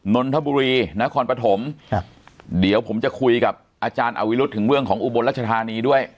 นนทบุรีนครปฐมครับเดี๋ยวผมจะคุยกับอาจารย์อวิรุธถึงเรื่องของอุบลรัชธานีด้วย